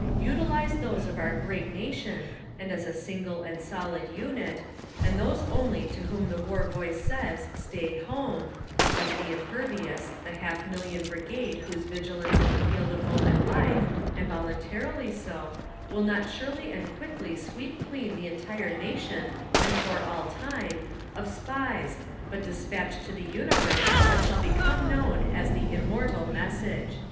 Utilize those of our great nation and as a single, and solid unit, and those only to SPY PROOF AMERICA 11 whom the war voice says "s'tay home"— as the impervious, the "half milHon" brigade whose^ vigilence in the field of open life, and voluntarily so, will not surely and quickly sweep clean the entire nation and for all time, of Spies, but despatch to the universe what shall become known as the "Immortal Message."